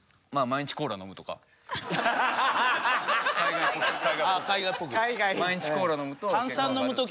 毎日コーラ飲むと。